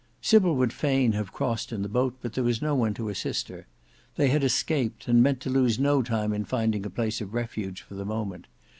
Sybil would fain have crossed in the boat, but there was no one to assist her. They had escaped, and meant to lose no time in finding a place of refuge for the moment.